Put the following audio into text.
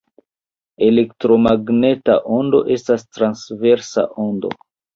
Elektromagneta ondo estas transversa ondo.